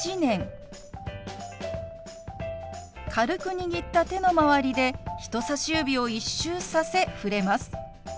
軽く握った手の周りで人さし指を一周させ触れます。